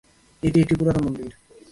এটি একটি পুরাতন মন্দির।